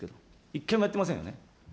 一回もやってませんよね。